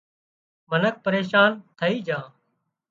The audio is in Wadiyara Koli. منک پريشان ٿئي جھان